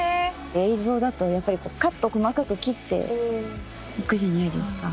映像だとやっぱりカットを細かく切って行くじゃないですか。